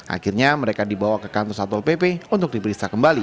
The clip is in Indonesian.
akhirnya mereka dibawa ke kantor satpol pp untuk diperiksa kembali